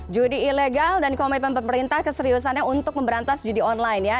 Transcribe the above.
judi ilegal dan komitmen pemerintah keseriusannya untuk memberantas judi online ya